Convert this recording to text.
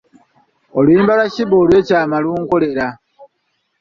Oluyimba lwa Sheebah olw’ekyama lunkolera.